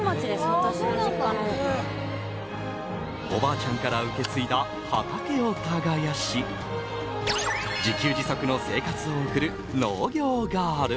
おばあちゃんから受け継いだ畑を耕し自給自足の生活を送る農業ガール。